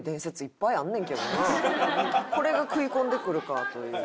これが食い込んでくるかという。